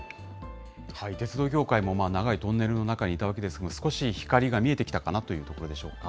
鉄道業界も長いトンネルの中にいたわけですが、少しひかりが見えてきたかなというところでしょうか